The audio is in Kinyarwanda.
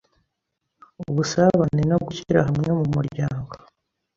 Ubusabane no gushyira hamwe mu muryango